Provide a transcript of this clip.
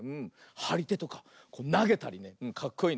はりてとかなげたりねかっこいいね。